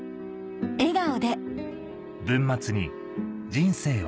笑顔で‼」